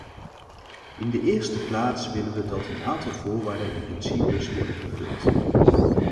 In de eerste plaats willen we dat een aantal voorwaarden en principes wordt vervuld.